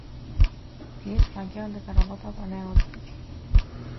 Тие сфаќаат дека работата не оди.